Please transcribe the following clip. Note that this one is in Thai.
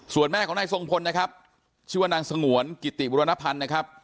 ส่วนแม่ของนายทรงพลนะครับชื่อว่านางสงวนกิติบุรณพันธ์นะครับ